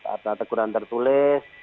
ada teguran tertulis